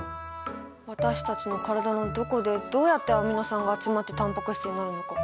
私たちの体のどこでどうやってアミノ酸が集まってタンパク質になるのか。